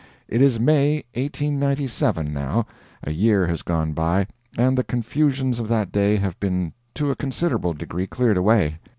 It is May, 1897, now; a year has gone by, and the confusions of that day have been to a considerable degree cleared away.